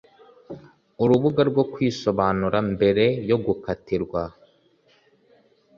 urubuga rwo kwisobanura mbere yo gukatirwa